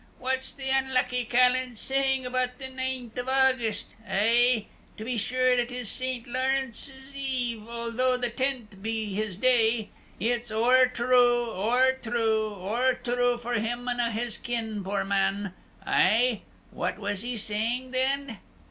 What's the unlucky callant saying about the 9th of August? Aih? To be sure it is St. Lawrence's Eve, although the 10th be his day. It's ower true, ower true, ower true for him an' a' his kin, poor man! Aih? What was he saying then?"